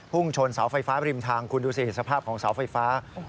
ชนเสาไฟฟ้าบริมทางคุณดูสิสภาพของเสาไฟฟ้า